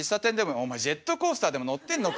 お前ジェットコースターでも乗ってんのか？